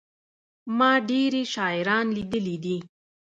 ما ډېري شاعران لېدلي دي.